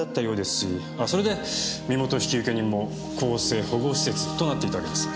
あそれで身元引受人も更生保護施設となっていたわけです。